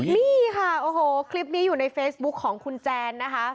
นี่ค่ะโอ้โหคลิปนี้อยู่ในเฟซบุ๊คของคุณแจนนะคะ